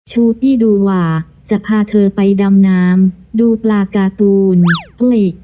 ชูตี้ดูว่าจะพาเธอไปดำน้ำดูปลาการ์ตูนเฮ้ย